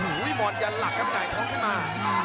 หุ้ยหมอนยันหลักครับไงต้องเข้ามา